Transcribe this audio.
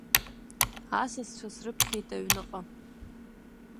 Асасцәа срыԥхьеит аҩныҟа.